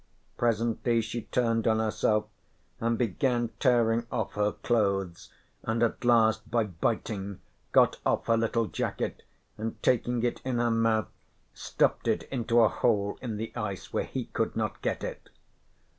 Presently she turned on herself and began tearing off her clothes, and at last by biting got off her little jacket and taking it in her mouth stuffed it into a hole in the ice where he could not get it.